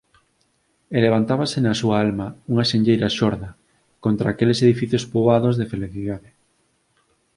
E levantábase na súa alma unha xenreira xorda contra aqueles edificios poboados de felicidade